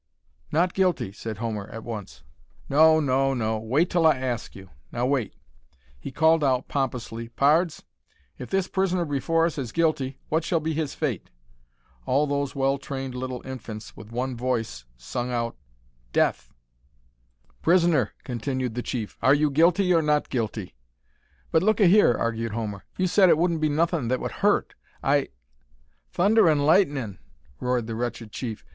"Not guilty," said Homer, at once. "No, no, no. Wait till I ask you. Now wait." He called out, pompously, "Pards, if this prisoner before us is guilty, what shall be his fate?" All those well trained little infants with one voice sung out, "Death!" "Prisoner," continued the chief, "are you guilty or not guilty?" "But look a here," argued Homer, "you said it wouldn't be nothin' that would hurt. I " "Thunder an' lightnin'!" roared the wretched chief.